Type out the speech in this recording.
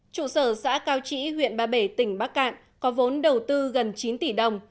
chủ sở xã cao chỉ huyện ba bể tỉnh bắc cạn có vốn đầu tư gần chín tỷ đồng